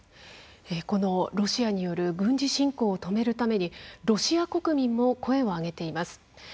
このロシアによる軍事侵攻を止めるためにロシア国民も声を上げています。